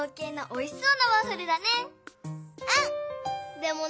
でもね